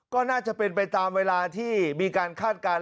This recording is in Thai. ก็น่าจะเป็นไปตามเวลาที่มีการคาดการณ์